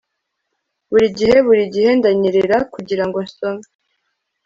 burigihe burigihe ndanyerera kugirango nsome